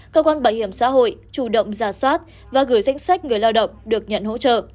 cơ quan bảo hiểm xã hội chủ động giả soát và gửi danh sách người lao động được nhận hỗ trợ